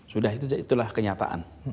sudah itulah kenyataan